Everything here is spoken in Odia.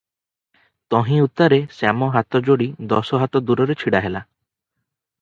ତହିଁ ଉତ୍ତାରେ ଶ୍ୟାମ ହାତ ଯୋଡ଼ି ଦଶହାତ ଦୂରରେ ଛିଡ଼ାହେଲା ।